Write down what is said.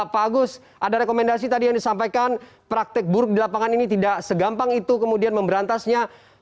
pak agus ada rekomendasi tadi yang disampaikan praktek buruk di lapangan ini tidak segampang itu kemudian memberantasnya